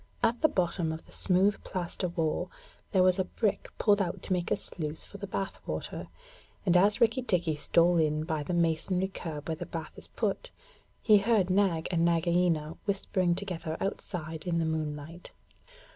At the bottom of the smooth plaster wall there was a brick pulled out to make a sluice for the bath water, and as Rikki tikki stole in by the masonry curb where the bath is put, he heard Nag and Nagaina whispering together outside in the moonlight.